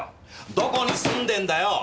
どこに住んでんだよ？